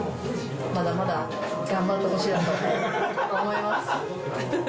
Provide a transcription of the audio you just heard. まだまだ頑張ってほしいなと思います。